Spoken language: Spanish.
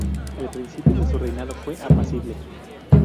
El principio de su reinado fue apacible.